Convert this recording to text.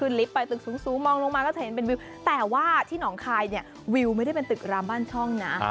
ในเมืองไทยวิวไม่ได้เป็นตึกรามบ้านช่องหนา